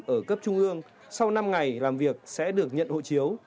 ở cấp trung ương sau năm ngày làm việc sẽ được nhận hộ chiếu